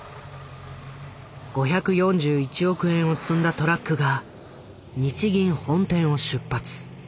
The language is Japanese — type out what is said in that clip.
５４１億円を積んだトラックが日銀本店を出発。